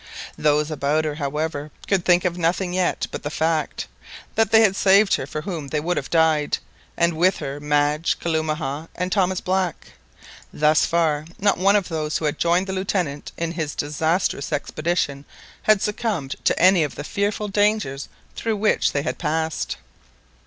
Those about her, however, could think of nothing yet but the fact, that they had saved her for whom they would have died, and with her Madge, Kalumah, and Thomas Black. Thus far not one of those who had joined the Lieutenant in his disastrous expedition had succumbed to any of the fearful dangers through which they had passed.